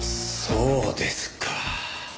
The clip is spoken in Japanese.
そうですか。